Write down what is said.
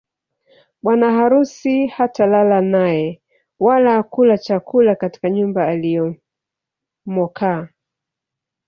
Bwana harusi hatalala naye wala kula chakula katika nyumba alimokaa